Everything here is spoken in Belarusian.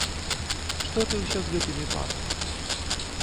Што ты ўсё з гэтымі бабамі?